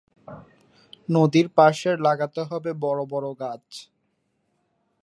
নদীর পাশের লাগাতে হবে বড় বড় গাছ।